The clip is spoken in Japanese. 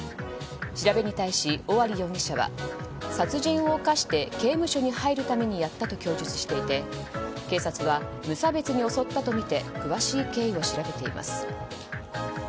調べに対し、尾張容疑者は殺人を犯して刑務所に入るためにやったと供述していて警察は無差別に襲ったとみて詳しい経緯を調べています。